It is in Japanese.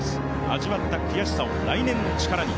味わった悔しさを来年の力に。